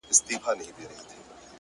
• تر بار لاندي یې ورمات کړله هډونه,